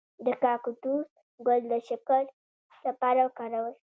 د کاکتوس ګل د شکر لپاره وکاروئ